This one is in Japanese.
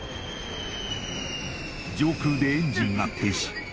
上空でエンジンが停止